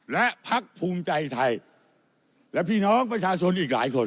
และพักภูมิใจไทยและพี่น้องประชาชนอีกหลายคน